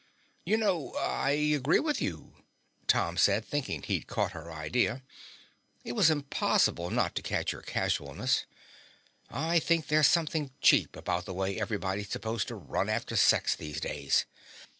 "You know, I agree with you," Tom said, thinking he'd caught her idea it was impossible not to catch her casualness. "I think there's something cheap about the way everybody's supposed to run after sex these days."